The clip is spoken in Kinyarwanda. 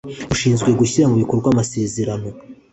rushinzwe gushyira mu bikorwa amasezerano